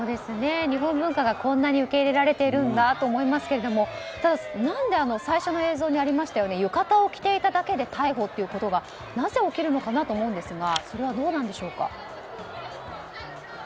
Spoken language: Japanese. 日本文化がこんなに受け入れられてるんだと思いますけどただ、何で最初の映像にありましたように浴衣を着ていただけで逮捕ということがなぜ起きるのかなと思うんですがそれはどうなんでしょうか。